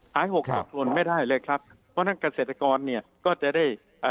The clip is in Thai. หกต้นทุนไม่ได้เลยครับเพราะฉะนั้นเกษตรกรเนี่ยก็จะได้เอ่อ